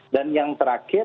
dan yang terakhir